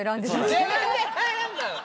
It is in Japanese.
自分で選んだの？